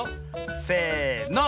せの。